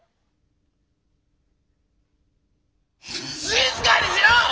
静かにしろ！